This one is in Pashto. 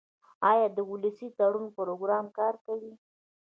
آیا د ولسي تړون پروګرام کار کوي؟